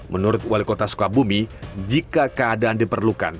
menurut wali kota sukabumi jika keadaan diperlukan